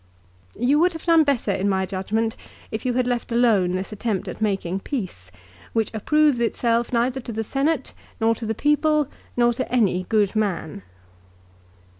" You would have done better in my judgment if you had left alone this attempt at making peace, which approves itself neither to the Senate, nor to the people, nor to any good man."